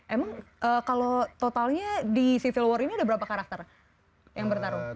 emang kalau totalnya di civil war ini ada berapa karakter yang bertarung